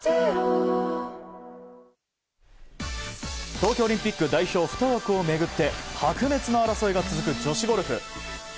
東京オリンピック代表２枠を巡って白熱の争いが続く女子ゴルフ。